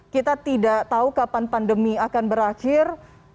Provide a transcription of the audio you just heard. kita tidak tahu kapan pandemi akan berakhir